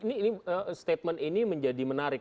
ini statement ini menjadi menarik